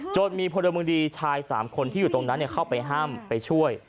จนมีพลเมืองดีชาย๓คนที่อยู่ตรงนั้นเข้าไปห้ามไปช่วย